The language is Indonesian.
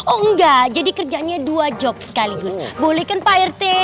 oh enggak jadi kerjaannya dua job sekaligus boleh kan pak rt